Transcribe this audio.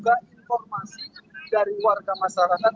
dan juga informasi dari warga masyarakat